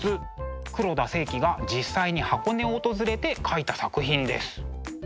黒田清輝が実際に箱根を訪れて描いた作品です。